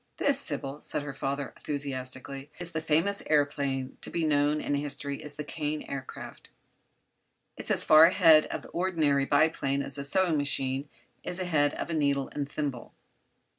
"This, Sybil," said her father, enthusiastically, "is the famous aëroplane to be known in history as the Kane Aircraft. It's as far ahead of the ordinary biplane as a sewing machine is ahead of a needle and thimble.